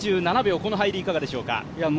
この入りいかがでしょうか？